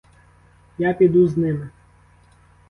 Я піду з ними.